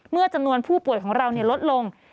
จำนวนผู้ป่วยของเราลดลง